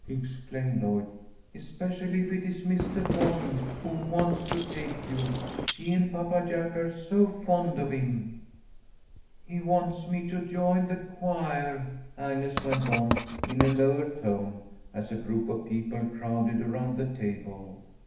exclaimed Lloyd. "Especially if it is Mistah Bond who wants to take you. She and Papa Jack are so fond of him." "He wants me to join the choir," Agnes went on, in a lower tone, as a group of people crowded around the table.